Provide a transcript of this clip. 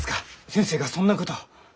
先生がそんなことを。